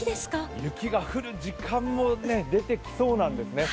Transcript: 雪が降る時間も出てきそうなんですね。